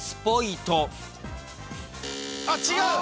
あっ違う。